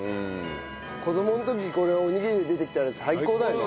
子供の時これおにぎりで出てきたら最高だよね。